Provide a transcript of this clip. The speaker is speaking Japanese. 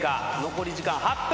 残り時間８分。